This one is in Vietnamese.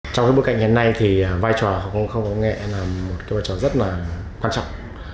trong bước cạnh hiện nay vai trò hkcm là một vai trò rất là quan trọng